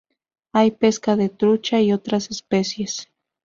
Hay pesca de trucha y otras especies.